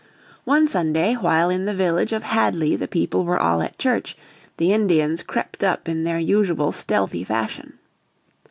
One Sunday, while in the village of Hadley the people were all at church, the Indians crept up in their usual stealthy fashion.